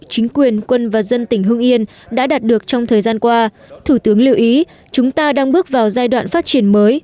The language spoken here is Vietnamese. chính quyền quân và dân tỉnh hưng yên đã đạt được trong thời gian qua thủ tướng lưu ý chúng ta đang bước vào giai đoạn phát triển mới